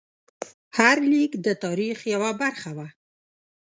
هر لیک د تاریخ یوه برخه وه.